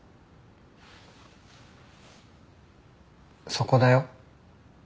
そこだよ。